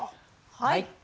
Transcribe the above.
はい。